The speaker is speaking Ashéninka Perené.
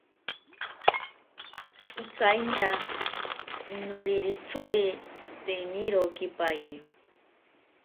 Ikainta noriritsori tsitenirokipaye.